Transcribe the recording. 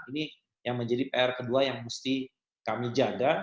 ini yang menjadi pr kedua yang mesti kami jaga